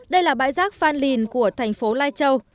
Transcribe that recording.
đây là bãi rác phan lìn của thành phố lai châu